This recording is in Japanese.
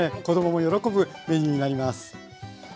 子どもも喜ぶメニューになります。